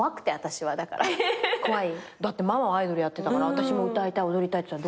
怖い？だってママがアイドルやってたから私も歌いたい踊りたいって言ったら。